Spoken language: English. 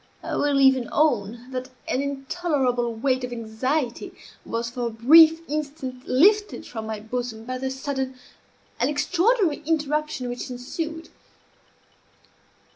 I will even own that an intolerable weight of anxiety was for a brief instant lifted from my bosom by the sudden and extraordinary interruption which ensued.